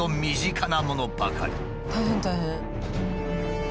大変大変。